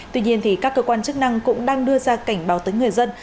tuy nhiên các cơ quan chức năng cũng đang đưa ra cảnh báo tới người dân